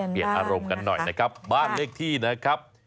เปลี่ยนอารมณ์กันหน่อยนะครับบ้านเลขที่นะครับ